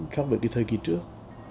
so với cái thời kỳ trước